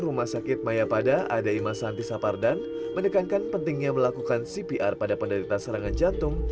rumah sakit mayapada ada imasanti sapar dan mendekankan pentingnya melakukan cpr pada penderita serangan jantung